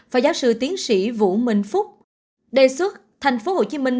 và giáo sư tiến sĩ vũ minh phúc đề xuất thành phố hồ chí minh